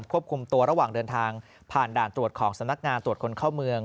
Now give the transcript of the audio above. ควบคุมตัวระหว่างเดินทางผ่านด่านตรวจของสำนักงานตรวจคนเข้าเมือง